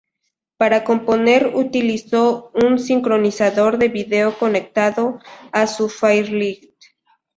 Para componer utilizó un sincronizador de vídeo conectado a su Fairlight.